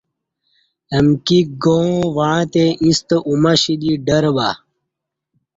امکی گاں وعݩتے ایݩستہ اومشی دی ڈر بہ